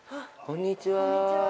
こんにちは。